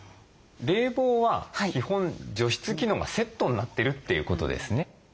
冷房は基本除湿機能がセットになってるということですね。